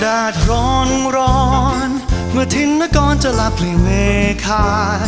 ดาดร้อนร้อนเมื่อทิ้งมาก่อนจะหลับหรือเมฆา